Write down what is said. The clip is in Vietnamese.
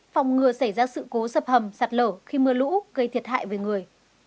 phòng ngừa xảy ra sự cố sập hầm sạt lở khi mưa lũ gây thiệt hại về người